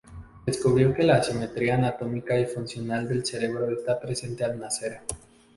Descubrió que la asimetría anatómica y funcional del cerebro está presente al nacer.